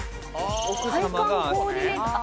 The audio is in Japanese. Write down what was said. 体幹コーディネーター？